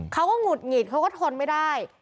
หงุดหงิดเขาก็ทนไม่ได้